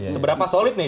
seberapa solid nih